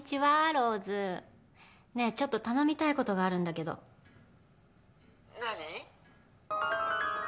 ローズねえちょっと頼みたいことがあるんだけどなあに？